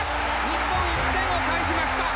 日本、１点を返しました！